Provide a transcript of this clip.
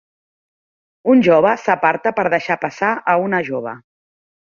Un jove s"aparta per deixar passar a una jove.